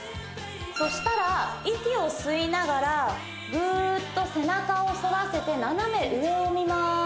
そしたら息を吸いながらふーっと背中を反らせて斜め上を見ます